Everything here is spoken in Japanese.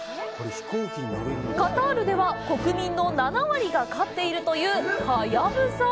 カタールでは、国民の７割が飼っているというハヤブサ。